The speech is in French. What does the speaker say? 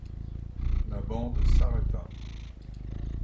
La bande s’arrêta.